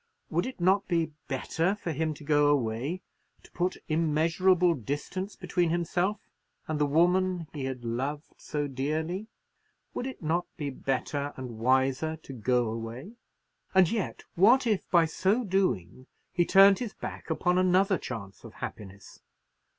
Would it not be better for him to go away—to put immeasurable distance between himself and the woman he had loved so dearly? Would it not be better and wiser to go away? And yet what if by so doing he turned his back upon another chance of happiness?